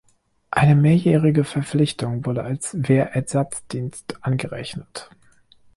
Eine mehrjährige Verpflichtung wurde als Wehrersatzdienst angerechnet.